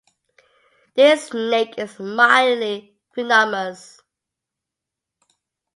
This snake is mildly venomous.